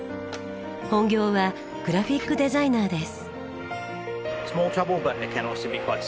本業はグラフィックデザイナーです。